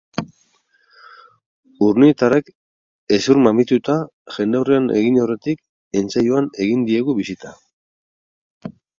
Urnietarrek hezurmamituta, jendaurrean egin aurretik, entsaioan egin diegu bisita.